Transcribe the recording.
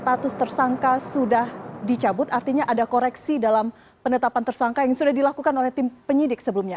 status tersangka sudah dicabut artinya ada koreksi dalam penetapan tersangka yang sudah dilakukan oleh tim penyidik sebelumnya